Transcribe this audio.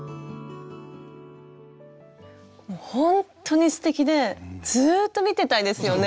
もうほんとにすてきでずっと見てたいですよね。